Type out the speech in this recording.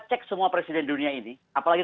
cek semua presiden dunia ini apalagi